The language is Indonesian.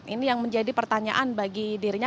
ini yang menjadi pertanyaan bagi dirinya